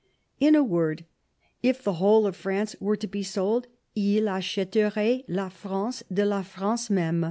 In a word, if the whole of France were to be sold, tls acheferoient la France de la France meme."